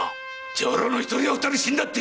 女郎の一人や二人死んだって